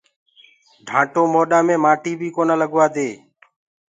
ڍآٽو موڏآ مي مآٽيٚ بي ڪونآ لگوآ دي۔